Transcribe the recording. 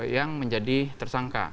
yang menjadi tersangka